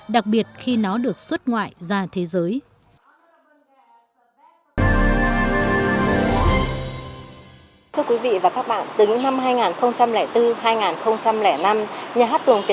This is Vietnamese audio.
đặc biệt khi nó được xuất ngoại ra thế giới